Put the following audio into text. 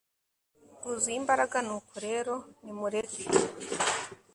bwuzuye imbaraga Nuko rero nimureke